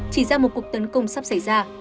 chỉ ra một cuộc tấn công sắp xảy ra